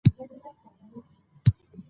هغه د طوفان وړاندوینه کوي.